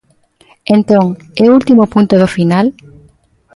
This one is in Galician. Entón ¿é o último punto do final?